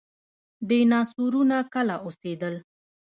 ډیناسورونه کله اوسیدل؟